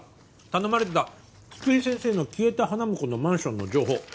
頼まれてた津々井先生の消えた花婿のマンションの情報。